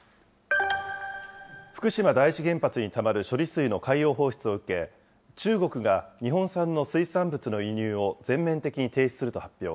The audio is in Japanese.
福島第一原発にたまる処理水の海洋放出を受け、中国が日本産の水産物の輸入を全面的に停止すると発表。